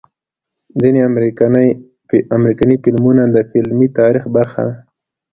ځنې امريکني فلمونه د فلمي تاريخ برخه ده